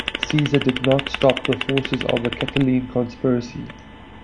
Caesar did not stop the forces of the Catiline Conspiracy.